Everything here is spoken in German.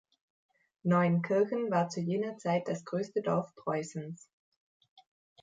Neunkirchen war zu jener Zeit das größte Dorf Preußens.